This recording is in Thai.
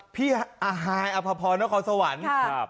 พี่อาฮายอภพรนครสวรรค์